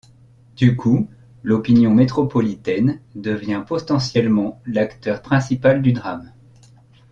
Du coup, l'opinion métropolitaine devient potentiellement l'acteur principal du drame.